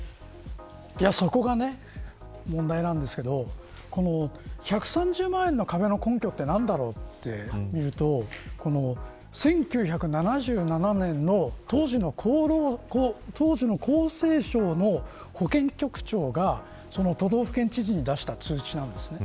そこが問題なんですけど１３０万円の壁の根拠って何だろうって見ると１９７７年の当時の厚生省の保健局長が都道府県知事に出した通知なんですね。